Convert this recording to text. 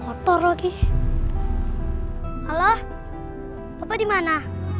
koh terlinegah dengan paham apa rupanya